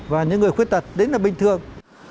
và những người khuyết tật đấy là bình thường